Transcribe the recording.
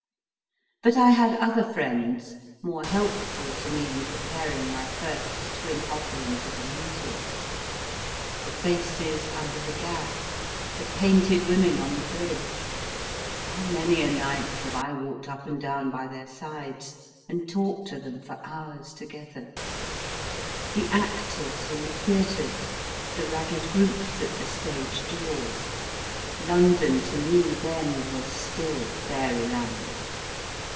But I had other friends, more helpful to me in preparing my first twin offering to the Muses ; the faces under the gas, the painted women on the bridge (how many a night have I walked up and down by their sides, and talked to them for hours together), the actors in the theatres, the ragged groups at the stage doors. London to me, then, was still Fairyland